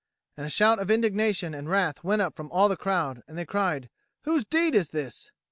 And a shout of indignation and wrath went up from all the crowd, and they cried, "Whose deed is this?"